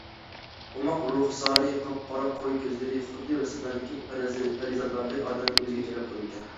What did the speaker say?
ئوماق رۇخسارى، قاپقارا قوي كۆزلىرى خۇددى رەسىملەردىكى پەرىزاتلاردەك ئادەمنى ئۆزىگە جەلپ قىلىدىكەن.